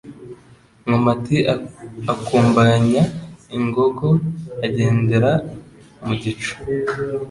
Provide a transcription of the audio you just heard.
Nkomati akumbanya ingogo agendera mu gicu